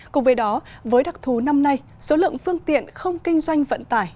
cùng với đó với đặc thù năm nay số lượng phương tiện không kinh doanh vận tải